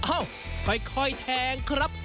อ้าวค่อยแทงครับ